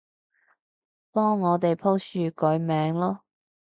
幫我哋棵樹改名囉